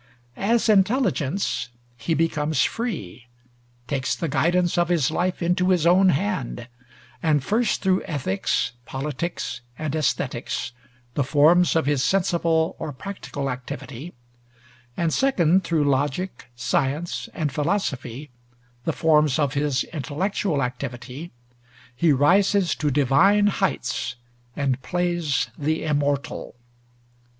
As intelligence, he becomes free; takes the guidance of his life into his own hand; and, first through ethics, politics, and aesthetics, the forms of his sensible or practical activity, and second through logic, science, and philosophy, the forms of his intellectual activity, he rises to divine heights and "plays the immortal."